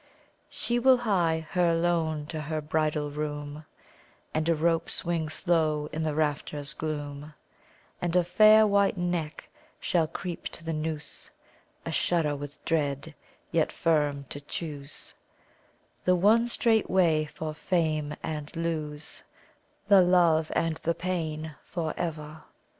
She will hie her alone to her bridal room, And a rope swing slow in the rafters' gloom; And a fair white neck shall creep to the noose, A shudder with dread, yet firm to choose The one strait way for fame, and lose The Love and the pain for ever.